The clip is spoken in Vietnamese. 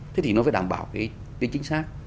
thế thì nó phải đảm bảo cái tính chính xác